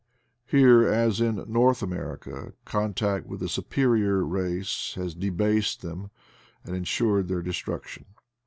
Here, as in North America, contact with a superior race has debased them and ensured their destruction.